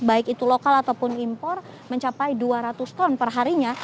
baik itu lokal ataupun impor mencapai dua ratus ton perharinya